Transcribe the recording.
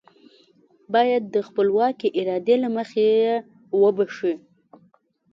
بايد د خپلواکې ارادې له مخې يې وبښي.